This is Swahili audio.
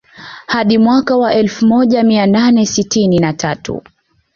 Hadi mwaka wa elfu moja mia nane tisini na tatu